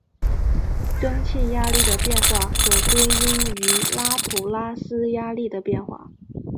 蒸气压力的变化可归因于拉普拉斯压力的变化。